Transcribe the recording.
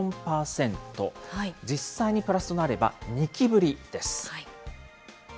実際にプラスとなれば２期ぶりです。